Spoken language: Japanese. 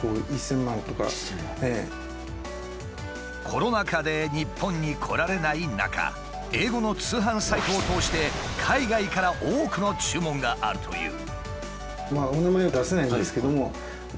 コロナ禍で日本に来られない中英語の通販サイトを通して海外から多くの注文があるという。